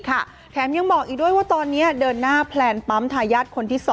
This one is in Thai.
แถมยังบอกอีกด้วยว่าตอนนี้เดินหน้าแพลนปั๊มทายาทคนที่๒